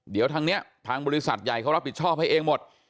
เดี๋ยวทางนี้ทางบริษัทใหญ่เขารับผิดชอบให้เองหมด